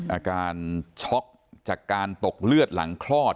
อาการช็อกจากการตกเลือดหลังคลอด